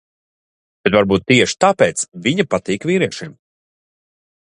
Bet varbūt tieši tāpēc viņa patīk vīriešiem.